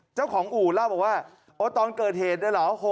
เจ้าของอู่ล่าบอกว่าตอนเกิดเหตุได้เหรอ